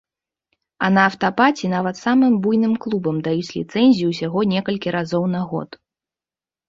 А на афтапаці нават самым буйным клубам даюць ліцэнзію ўсяго некалькі разоў на год.